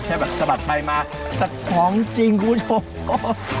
แบบสะบัดไปมาแต่ของจริงคุณผู้ชมก็